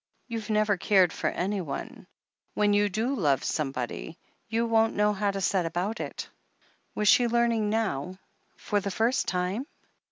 "You've never cared for anyone — ^when you do love somebody ... you won't know how to set about it " Was she learning now — for the first time